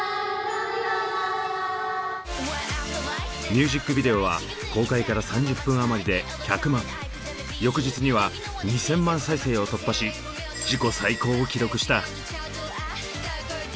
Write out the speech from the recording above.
ミュージックビデオは公開から３０分余りで１００万翌日には２，０００万再生を突破し自己最高を記録した。